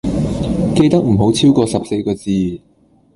記得唔好超個十四個字